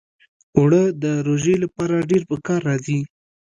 اوړه د روژې لپاره ډېر پکار راځي